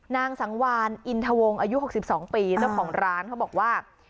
นางสังวานอินทวงอายุ๖๒ปีเจ้าของร้านเขาบอกว่า